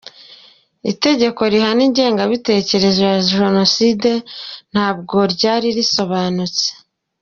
Itegeko rihana ingengabitekerezo ya Jenoside ntabwo ryari risobanutse